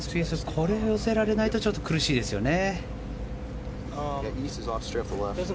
これを寄せられないと苦しいですよね。